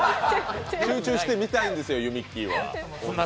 集中して見たいんですよ、ゆみっきーは。